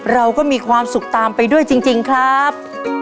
เราก็มีความสุขตามไปด้วยจริงครับ